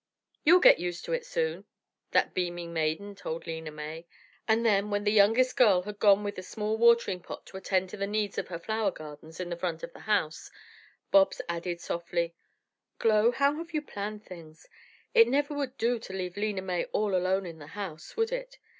"You'll get used to it soon," that beaming maiden told Lena May, and then, when the youngest girl had gone with a small watering pot to attend to the needs of her flower gardens at the front of the house, Bobs added softly: "Glow, how have you planned things? It never would do to leave Lena May all alone in the house, would it?